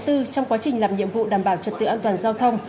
trong quá trình làm nhiệm vụ đảm bảo trật tự an toàn giao thông